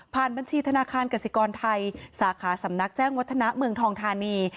บัญชีธนาคารกสิกรไทยสาขาสำนักแจ้งวัฒนาเมืองทองธานี